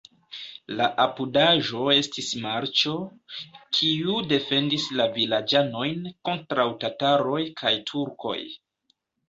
La apudaĵo estis marĉo, kiu defendis la vilaĝanojn kontraŭ tataroj kaj turkoj.